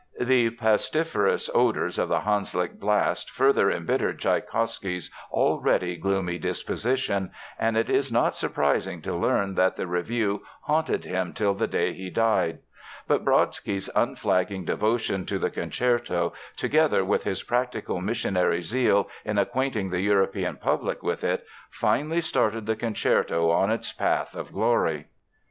The pestiferous odors of the Hanslick blast further embittered Tschaikowsky's already gloomy disposition, and it is not surprising to learn that the review haunted him till the day he died. But Brodsky's unflagging devotion to the concerto, together with his practical missionary zeal in acquainting the European public with it, finally started the concerto on its path of glory.